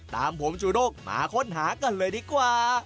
ตามผมจูด้งมาค้นหากันเลยดีกว่า